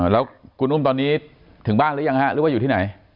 แล้วคุณอุ้มตอนนี้ถึงบ้านหรือยังฮะหรือว่าอยู่ที่ไหน